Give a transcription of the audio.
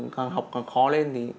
càng học càng khó lên